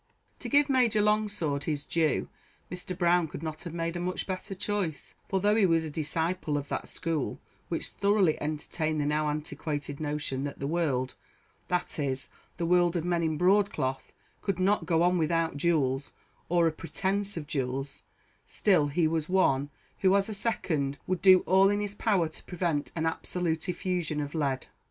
To give Major Longsword his due, Mr. Brown could not have made a much better choice; for though he was a disciple of that school, which thoroughly entertained the now antiquated notion that the world that is, the world of men in broad cloth could not go on without duels, or a pretence of duels; still he was one who, as a second, would do all in his power to prevent an absolute effusion of lead.